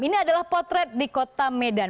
ini adalah potret di kota medan